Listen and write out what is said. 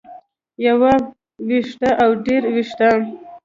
يو وېښتۀ او ډېر وېښتۀ